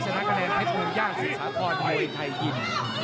ชนะกระแนนไอ้ภูมิหญ้าศึกสาธารณ์มวยไทยยิน